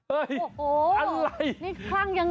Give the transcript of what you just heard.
เอาไฟมาใส่ห้อ